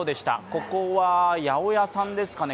ここは八百屋さんですかね。